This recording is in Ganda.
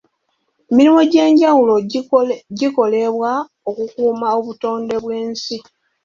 Emirimu egy'enjawulo gikolebwa okukuuma obutonde bw'ensi.